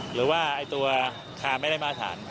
หรือว่าตัวคาไม่ได้มาตรฐาน